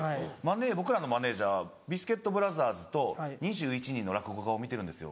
僕らのマネジャービスケットブラザーズと２１人の落語家を見てるんですよ。